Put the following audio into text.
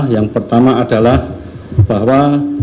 yang pertama adalah bahwa